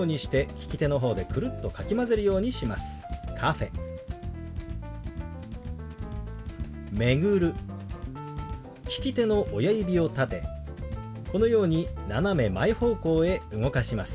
利き手の親指を立てこのように斜め前方向へ動かします。